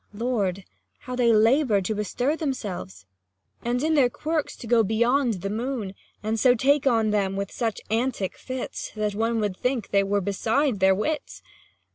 Lord, how they labour to bestir themselves, 10 And in their quirks to go beyond the moon, And so take on them with such antic fits, That one would think they were beside their wits